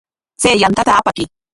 Chay yantata apakuy.